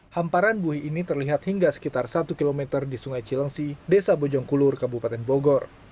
hamparan bui ini terlihat hingga sekitar satu km di sungai cilengsi desa bojongkulur kabupaten bogor